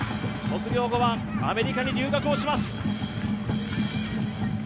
卒業後はアメリカに留学します。